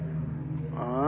「ああ？